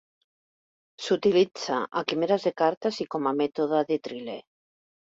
S"utilitza a quimeres de cartes i com a mètode de triler.